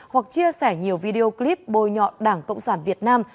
hoặc chia sẻ nhiều video clip bôi nhọn đảng cộng sản việt nam